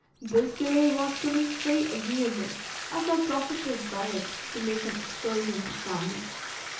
This delay was to me very agreeable, as I profited by it to make an excursion to Candy.